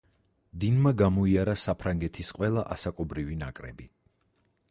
დინმა გამოიარა საფრანგეთის ყველა ასაკობრივი ნაკრები.